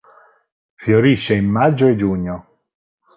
Fiorisce in maggio e giugno.